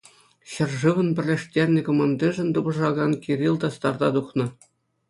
Ҫӗршывӑн пӗрлештернӗ командишӗн тупӑшакан Кирилл та старта тухнӑ.